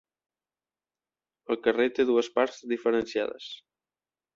El carrer té dues parts diferenciades.